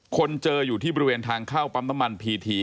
คนเจออยู่ที่บริเวณทางเข้าปั๊มน้ำมันพีที